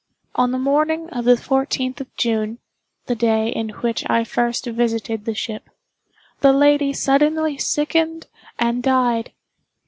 On the morning of the fourteenth of June (the day in which I first visited the ship), the lady suddenly sickened and died.